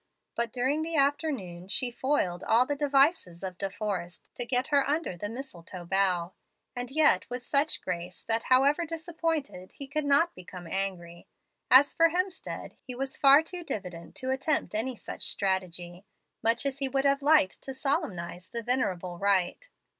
But during the afternoon she foiled all the devices of De Forrest to get her under the mistletoe bough, and yet with such grace that, however disappointed, he could not become angry. As for Hemstead, he was fat too diffident to attempt any such strategy, much as he would have liked to solemnize the venerable rite.